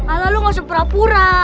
ala lu gak usah pura pura